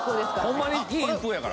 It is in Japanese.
ホンマに金一封やから。